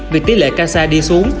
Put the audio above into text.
vì tỷ lệ kasha đi dần